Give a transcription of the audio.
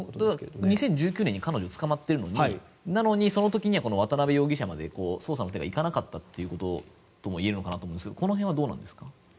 ただ、２０１９年に彼女、捕まってるのになのにその時に渡邉容疑者まで捜査の手が行かなかったとも言えるのかなと思うんですがこの辺はどうなんですか？